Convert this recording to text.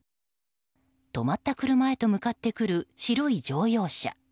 止まった車へと向かってくる白い乗用車。